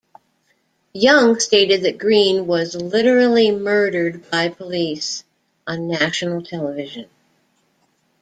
Young stated that Green was "literally murdered by police" on national television.